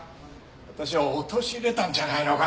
私を陥れたんじゃないのか？